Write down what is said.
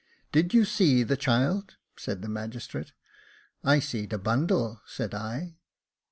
' Did you see the child .'*' said the magistrate. ' I seed a bundle,' said I.